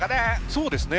そうですね。